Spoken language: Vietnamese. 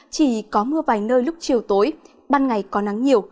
chỉ có mưa vài nơi lúc chiều tối ban ngày có nắng nhiều